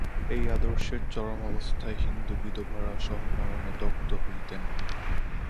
এই আদর্শের চরম অবস্থায় হিন্দু বিধবারা সহমরণে দগ্ধ হইতেন।